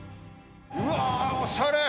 うわーおしゃれ！